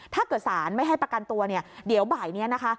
ถ้าเกิดสารไม่ให้ประกันตัวเนี่ยเดี๋ยวบ่ายนี้นะคะ